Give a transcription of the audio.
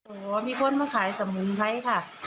โอ้โหมีคนมาขายสมุนไพรค่ะ